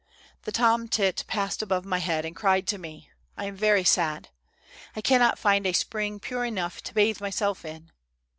" The tom tit passed above my head and cried to me :"' I am very sad. I cannot find a spring pure enough to bathe myself in.